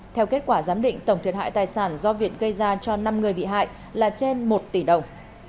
theo kết quả giám định tổng thiệt hại tài sản do việt gây ra cho năm người bị hại là trên một tỷ đồng